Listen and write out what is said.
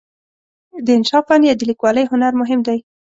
د انشأ فن یا د لیکوالۍ هنر مهم دی.